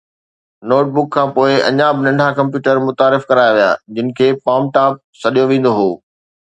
note book کان پوءِ، اڃا به ننڍا ڪمپيوٽر متعارف ڪرايا ويا جن کي پام ٽاپ سڏيو ويندو هو